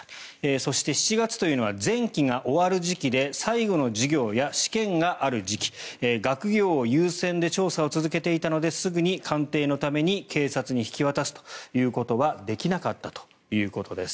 そして、７月というのは前期が終わる時期で最後の授業や試験がある時期学業優先で調査を続けていたのですぐに鑑定のために警察に引き渡すということはできなかったということです。